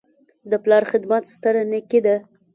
د پلار خدمت ستره نیکي ده.